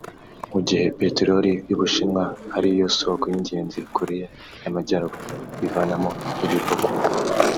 mu gihe peteroli y'Ubushinwa ari yo soko y'ingenzi Koreya y'Amajyaruguru ivanamo ibiva ku ngufu